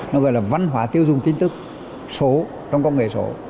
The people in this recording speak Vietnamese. nó gọi là văn hóa tiêu dùng tin tức số trong công nghệ số